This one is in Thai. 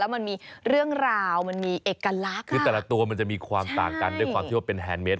มันมีเรื่องราวมันมีเอกลักษณ์คือแต่ละตัวมันจะมีความต่างกันด้วยความที่ว่าเป็นแฮนดเมส